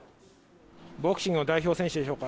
ボクシングの代表選手でしょうか。